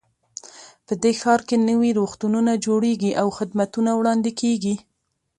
په دې ښار کې نوي روغتونونه جوړیږي او خدمتونه وړاندې کیږي